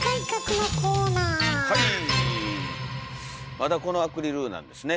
まだこのアクリルなんですね。